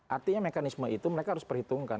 artinya mekanisme itu mereka harus perhitungkan